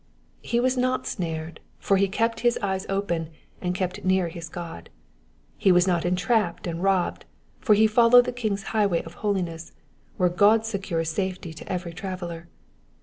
^^ He was not snared, for he kept his eyes open, and kept near his God. He was not entrapped and robbea, for he followed the Km^'s highway of holiness, «vhere God secures safety to every traveller.